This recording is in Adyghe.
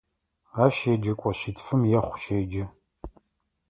Ащ еджэкӏо шъитфым ехъу щеджэ.